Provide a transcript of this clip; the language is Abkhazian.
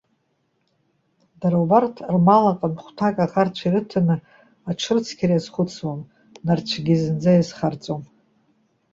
Дара убарҭ, рмал аҟынтә хәҭак аӷарцәа ирыҭаны аҽрыцқьара иазхәыцуам, нарцәгьы зынӡа иазхарҵом.